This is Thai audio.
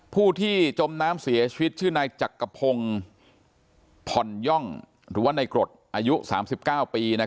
ผู้ที่จมน้ำเสียชีวิตชื่อนายจักกะพงภอนย่องหรือัย๓๙ปี